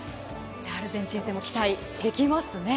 じゃあ、アルゼンチン戦も期待できますね。